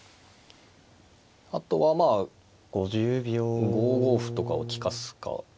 あとはまあ５五歩とかを利かすか。